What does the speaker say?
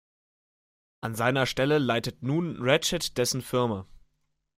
An seiner Stelle leitet nun Ratchet dessen Firma.